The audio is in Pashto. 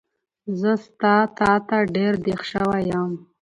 زه ستا تاته ډېر دیغ شوی یم